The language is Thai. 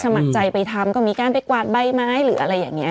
สมัครใจไปทำก็มีการไปกวาดใบไม้หรืออะไรอย่างนี้